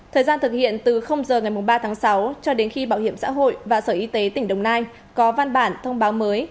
thời gian thực hiện từ giờ ngày ba tháng sáu cho đến khi bảo hiểm xã hội và sở y tế tỉnh đồng nai có văn bản thông báo mới